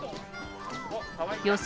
予想